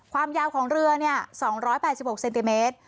ความยาวของเรือ๒๘๖เซนติเมตร